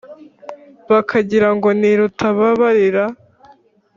Bakagira ngo ni Rutababarira